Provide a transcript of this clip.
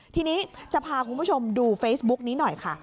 ทีนี้จะพาคุณผู้ชมดูเฟซบุ๊กนี้หน่อยค่ะ